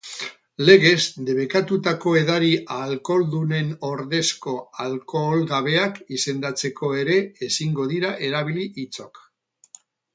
Legez debekatutako edari alkoholdunen ordezko alkoholgabeak izendatzeko ere ezingo dira erabili hitzok.